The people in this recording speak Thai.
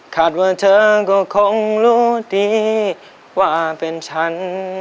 ว่าเธอก็คงรู้ดีว่าเป็นฉัน